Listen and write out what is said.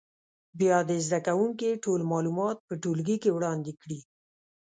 بیا دې زده کوونکي ټول معلومات په ټولګي کې وړاندې کړي.